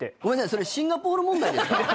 それシンガポール問題ですか？